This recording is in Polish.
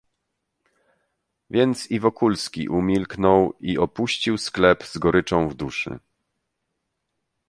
"Więc i Wokulski umilknął i opuścił sklep z goryczą w duszy."